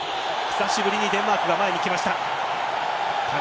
久しぶりにデンマークが前に来ました。